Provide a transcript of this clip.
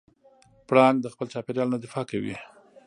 پړانګ د خپل چاپېریال نه دفاع کوي.